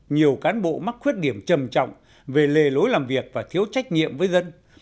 nhiều cán bộ mắc khuyết điểm trầm trọng về lề lối làm việc và thiếu trách nhiệm với dân